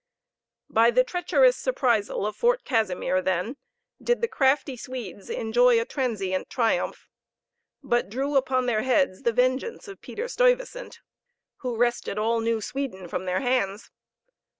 By the treacherous surprisal of Fort Casimir, then, did the crafty Swedes enjoy a transient triumph; but drew upon their heads the vengeance of Peter Stuyvesant, who wrested all New Sweden from their hands.